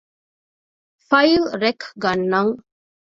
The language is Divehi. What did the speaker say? ފައިލް ރެކް ގަންނަން